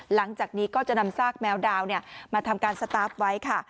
หลังจากนี้ก็จะนำซากแมวดาวมาทำการสตาร์ฟไว้ค่ะ